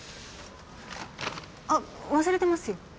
あっ忘れてますよ。